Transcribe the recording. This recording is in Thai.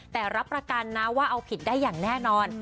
แต่รับประกันนะว่าเอาผิดได้อย่างแน่นอน